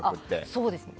そうですね。